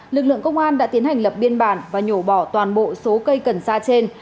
lực lượng công an đã tiến hành lập biên bản và nhổ bỏ toàn bộ số cây cần sa trên